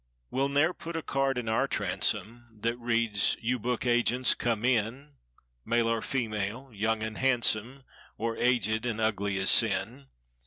We'll ne'er put a card in our transom That reads—"You book agents, come in— Male or female—young and handsome— Or, aged and ugly as sin."